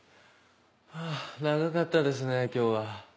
あぁ長かったですね今日は。